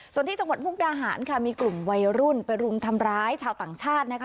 ส่วนที่จังหวัดมุกดาหารค่ะมีกลุ่มวัยรุ่นไปรุมทำร้ายชาวต่างชาตินะคะ